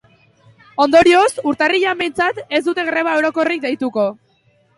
Ondorioz, urtarrilean behintzat, ez dute greba orokorrik deituko.